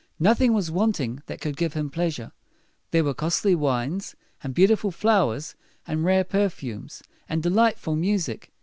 Nothing was wanting that could give him pleasure. There were costly wines, and beautiful flowers, and rare perfumes, and de light ful music.